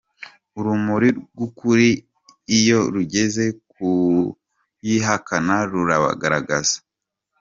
Urumuri rw’ukuri iyo rugeze ku bayihakana rurabagaragaza.